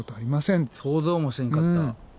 想像もせんかった。